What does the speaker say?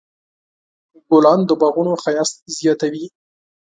ګلان د باغونو ښایست زیاتوي.